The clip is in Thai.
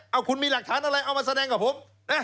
เอาคุณมีหลักฐานอะไรเอามาแสดงกับผมนะ